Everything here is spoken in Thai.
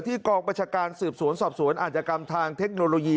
กองประชาการสืบสวนสอบสวนอาจกรรมทางเทคโนโลยี